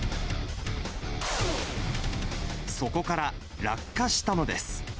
そこから落下したのです。